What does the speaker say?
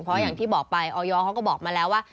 เพราะอย่างที่บอกไปออยเขาก็บอกมาแล้วว่า